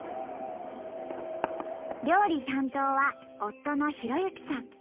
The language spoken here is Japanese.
料理担当は夫の弘之さん。